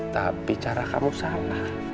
tapi cara kamu salah